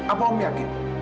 apa om yakin